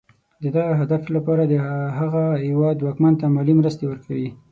د دغه هدف لپاره د هغه هېواد واکمن ته مالي مرستې ورکوي.